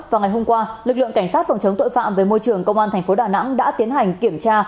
vào ngày hôm qua lực lượng cảnh sát phòng chống tội phạm về môi trường công an thành phố đà nẵng đã tiến hành kiểm tra